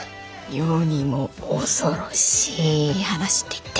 世にも恐ろしい話って言ってんじゃん。